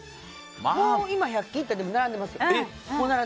もう、今１００均行ったら並んでますよ。